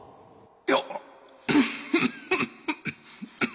いや。